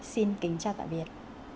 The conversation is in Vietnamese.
xin kính chào tạm biệt